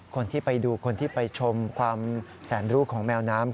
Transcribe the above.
คนที่ไปดูคนที่ไปชมความแสนรู้ของแมวน้ำ